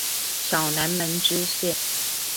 小南門支線